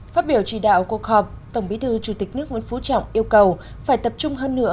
phát biểu chỉ đạo cuộc họp tổng bí thư chủ tịch nước nguyễn phú trọng yêu cầu phải tập trung hơn nữa